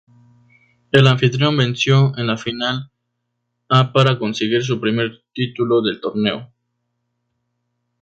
El anfitrión venció en la final a para conseguir su primer título del torneo.